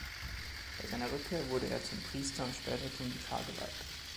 Bei seiner Rückkehr wurde er zum Priester und später zum Vikar geweiht.